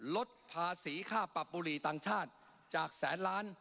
ลดภาษีค่าปรับบุหรี่ต่างชาติจากแสนล้าน